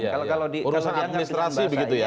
urusan administrasi begitu ya